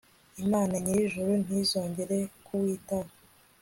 imana nyir'ijuru ntizongere kuwitaho